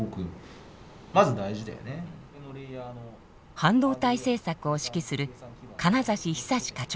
半導体政策を指揮する金指壽課長です。